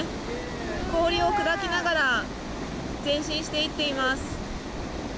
氷を砕きながら前進していっています。